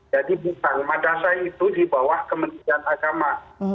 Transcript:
jadi bukan madrasah itu di bawah kementerian agama